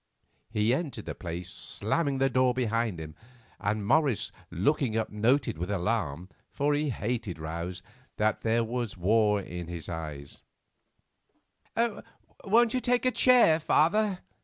He entered the place slamming the door behind him; and Morris looking up noted with alarm, for he hated rows, that there was war in his eye. "Won't you take a chair, father?"